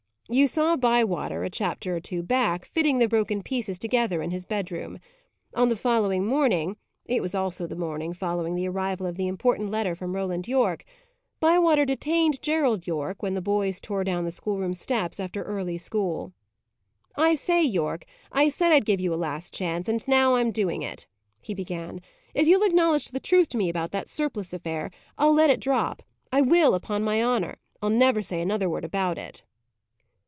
You saw Bywater, a chapter or two back, fitting the broken pieces together in his bedroom. On the following morning it was also the morning following the arrival of the important letter from Roland Yorke Bywater detained Gerald Yorke when the boys tore down the schoolroom steps after early school. "I say, Yorke, I said I'd give you a last chance, and now I am doing it," he began. "If you'll acknowledge the truth to me about that surplice affair, I'll let it drop. I will, upon my honour. I'll never say another word about it."